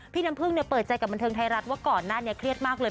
พี่น้ำพึ่งเนี่ยเปิดใจกับบันเทิงไทยรัฐว่าก่อนนั้นเนี่ยเครียดมากเลย